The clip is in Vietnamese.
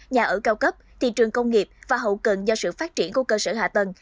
nhà ở cao cấp thị trường công nghiệp và hậu cần do sự phát triển của cơ sở hạ tầng